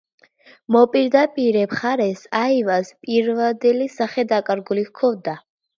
მოპირდაპირე მხარეს აივანს პირვანდელი სახე დაკარგული ჰქონდა.